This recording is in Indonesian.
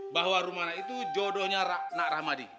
bahwa rumana itu jodohnya nak ramadi